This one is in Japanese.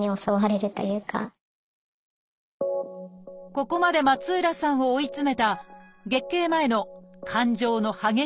ここまで松浦さんを追い詰めた月経前の感情の激しい起伏。